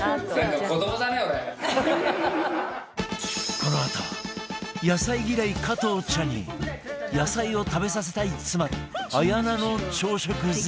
このあと野菜嫌い加藤茶に野菜を食べさせたい妻綾菜の朝食作り